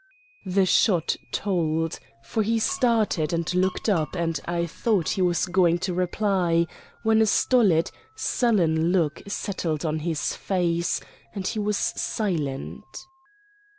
The shot told; for he started and looked up and I thought he was going to reply, when a stolid, sullen look settled on his face and he was silent.